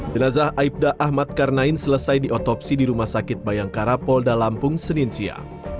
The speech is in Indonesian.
jenazah aibda ahmad karnain selesai diotopsi di rumah sakit bayangkara polda lampung senin siang